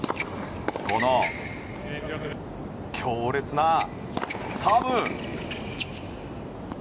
この強烈なサーブ！